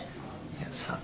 いやさぁ。